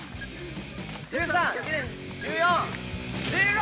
１３１４１５！